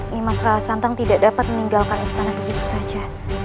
nimas rala santang tidak dapat meninggalkan istana begitu saja